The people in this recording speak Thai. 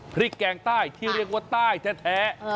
พริกแกงใต้ที่เรียกว่าใต้แท้